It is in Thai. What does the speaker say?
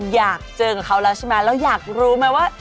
อยากเจอกับเขาแล้วใช่ไหมแล้วอยากรู้ไหมว่า